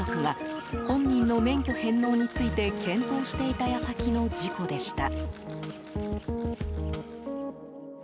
親族が本人の免許返納について検討していた矢先の事故でした。